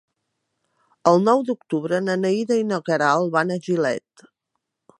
El nou d'octubre na Neida i na Queralt van a Gilet.